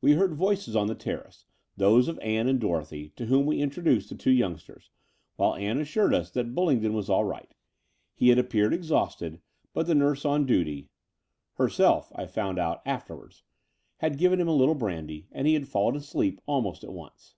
VII We heard voices on the terrace, those of Ann and Dorothy, to whom we introduced the two youngsters, while Ann assured us that Bullingdon was all right. He had appeared exhausted, but the nurse on duty — ^herself I found out afterwards 26o The Door of the Unreal — had given him a little brandy; and he had fallen asleep almost at once.